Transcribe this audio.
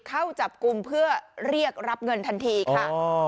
เข้าจับกลุ่มเพื่อเรียกรับเงินทันทีค่ะ